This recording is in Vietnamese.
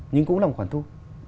nhưng cũng là một khoản thu